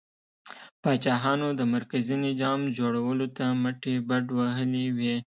پاچاهانو د مرکزي نظام جوړولو ته مټې بډ وهلې وې.